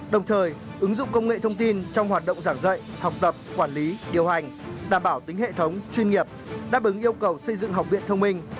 đồng thời ứng dụng công nghệ thông tin trong hoạt động giảng dạy học tập quản lý điều hành đảm bảo tính hệ thống chuyên nghiệp đáp ứng yêu cầu xây dựng học viện thông minh